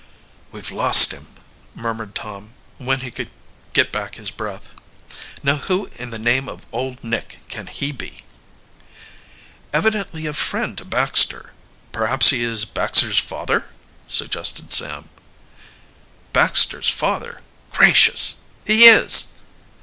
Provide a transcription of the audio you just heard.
"We've lost him!" murmured Tom, when he could get back his breath. "Now who in the name of Old Nick can he be?" "Evidently a friend to Baxter. Perhaps he is Baxter's father?" suggested Sam. "Baxter's father Gracious! He is!"